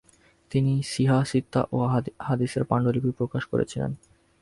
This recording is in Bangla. তিনি সিহাহ সিত্তাহ ও হাদিসের পাণ্ডুলিপি প্রকাশ করেছিলেন।